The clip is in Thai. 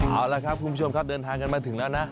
เอาละครับคุณผู้ชมครับเดินทางกันมาถึงแล้วนะ